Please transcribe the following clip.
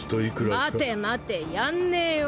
待て待てやんねえよ。